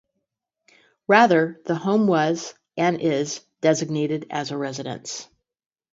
Rather, the home was and is designated as a residence.